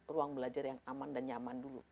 ruang belajar yang aman dan nyaman dulu